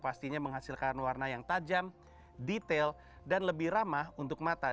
pastinya menghasilkan warna yang tajam detail dan lebih ramah untuk mata